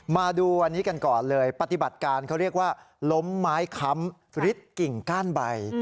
มาดูวันนี้กันก่อนเลยปฏิบัติการเขาเรียกว่าล้มไม้ค้ำริดกิ่งก้านใบ